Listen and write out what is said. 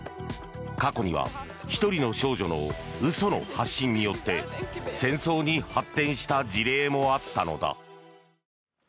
過去には１人の少女の嘘の発信によって戦争に発展した事例もあったのだ。